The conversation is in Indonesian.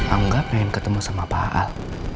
angga pengen ketemu sama pak aal